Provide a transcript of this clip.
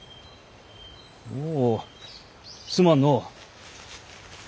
おおすまんの。